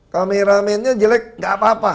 kameramennya jelek nggak apa apa